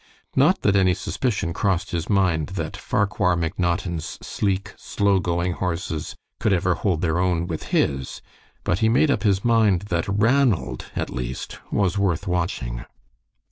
Not that any suspicion crossed his mind that Farquhar McNaughton's sleek, slow going horses could ever hold their own with his, but he made up his mind that Ranald, at least, was worth watching.